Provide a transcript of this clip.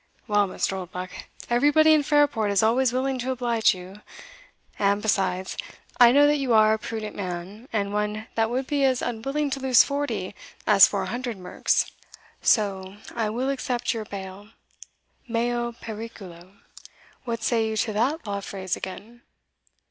"Well, Mr. Oldbuck, everybody in Fairport is always willing to oblige you and besides, I know that you are a prudent man, and one that would be as unwilling to lose forty, as four hundred merks. So I will accept your bail, meo periculo what say you to that law phrase again?